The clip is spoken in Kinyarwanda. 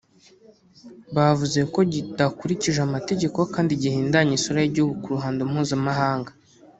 bavuze ko kidakurikije amategeko kandi gihindanya isura y’igihugu ku ruhando mpuzamahanga